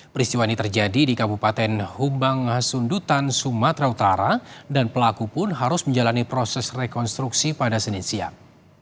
peristiwa ini terjadi di kabupaten humbang sundutan sumatera utara dan pelaku pun harus menjalani proses rekonstruksi pada senin siang